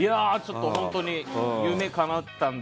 本当に夢かなったんで。